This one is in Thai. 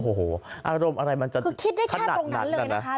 โอ้โหอารมณ์อะไรมันจะขั้นหนัดคือคิดได้แค่ตรงนั้นเลยนะคะ